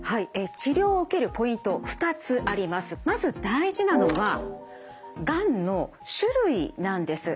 まず大事なのはがんの種類なんです。